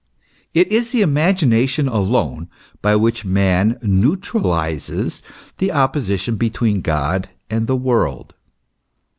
It is the imagination alone by which man neutralizes the opposition between God and the world.